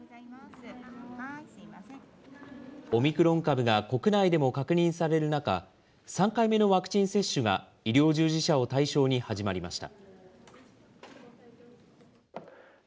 オミクロン株が国内でも確認される中、３回目のワクチン接種が医療従事者を対象に始まりました。